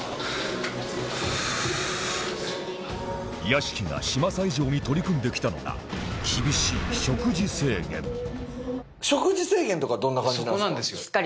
屋敷が嶋佐以上に取り組んできたのが食事制限とかはどんな感じなんですか？